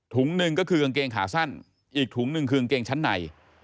หนึ่งก็คือกางเกงขาสั้นอีกถุงหนึ่งคือกางเกงชั้นใน